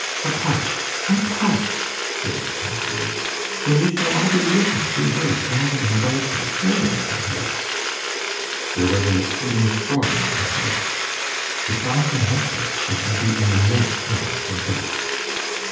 "Apart apart?" said Miss Chancellor; "when we shall all be looking to her, gathering about her, praying for her!" There was an exceeding scorn in her voice. "If I can help her, she shall be an immense power for good."